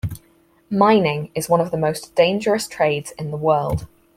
Mining is one of the most dangerous trades in the world.